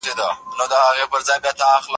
ځي د دروازې زلپۍ يې ټينګه کړه